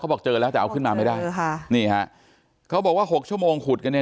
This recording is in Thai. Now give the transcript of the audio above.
บอกเจอแล้วแต่เอาขึ้นมาไม่ได้ค่ะนี่ฮะเขาบอกว่าหกชั่วโมงขุดกันเนี่ย